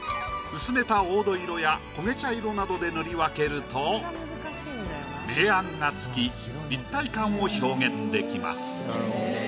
薄めた黄土色や焦げ茶色などで塗り分けると明暗がつき立体感を表現できます。